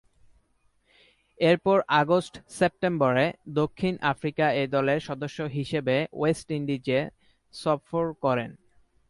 এরপর আগস্ট-সেপ্টেম্বরে দক্ষিণ আফ্রিকা এ-দলের সদস্য হিসেবে ওয়েস্ট ইন্ডিজে সফর করেন।